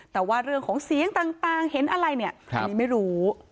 แต่ว่าเรื่องของเสียงต่างเห็นอะไรเนี่ยอันนี้ไม่รู้